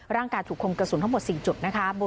ร่างกายถูกคมกระสุนทั้งหมด๔จุดนะคะ